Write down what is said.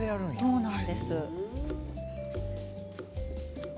そうなんです。